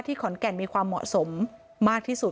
ขอนแก่นมีความเหมาะสมมากที่สุด